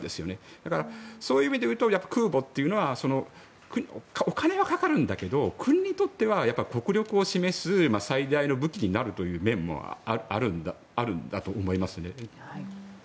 だから、そういう意味でいうと空母というのはお金はかかるんだけど国にとっては国力を示す最大の武器になるという面もあるんだと思いますね。